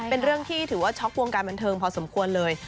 เป็นเรื่องที่ถือว่าช็อกวงการบันเทิงพอสมควรเลย